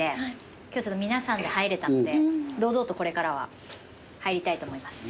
今日皆さんで入れたので堂々とこれからは入りたいと思います。